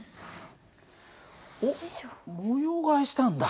おっ模様替えしたんだ。